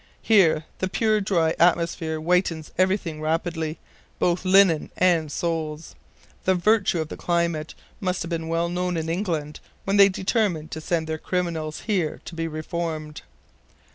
Here the pure, dry atmosphere whitens everything rapidly, both linen and souls. The virtue of the climate must have been well known in England when they determined to send their criminals here to be reformed."